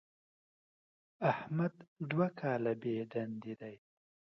احمد دوه کاله بېدندې دی.